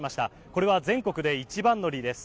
これは全国で一番乗りです。